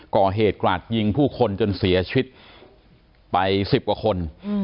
ก่อเหตุกราดยิงผู้คนจนเสียชีวิตไป๑๐กว่าคน